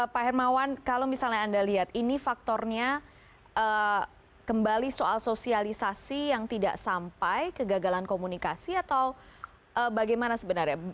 pak hermawan kalau misalnya anda lihat ini faktornya kembali soal sosialisasi yang tidak sampai kegagalan komunikasi atau bagaimana sebenarnya